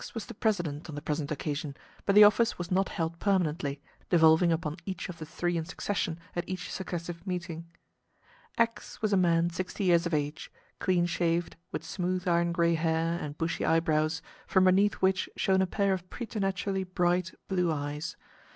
X was the president on the present occasion, but the office was not held permanently, devolving upon each of the three in succession at each successive meeting. X was a man sixty years of age, clean shaved, with smooth iron gray hair and bushy eyebrows, from beneath which shone a pair of preternaturally bright blue eyes.